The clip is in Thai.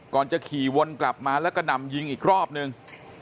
จะขี่วนกลับมาแล้วก็นำยิงอีกรอบนึง